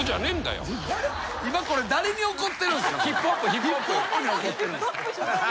ヒップホップに怒ってるんすか？